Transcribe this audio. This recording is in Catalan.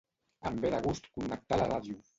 Em ve de gust connectar la ràdio.